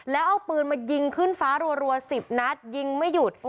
แล้วเอาปืนมายิงขึ้นฟ้ารัว๑๐นัดยิงไม่หยุด